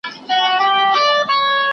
ادم ته د اسمانونو رازونه وښودل سول.